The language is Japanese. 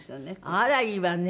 あらいいわね。